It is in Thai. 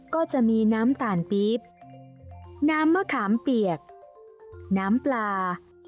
ก็จะมีน้ำตาลปี๊บน้ำมะขามเปียกน้ำปลา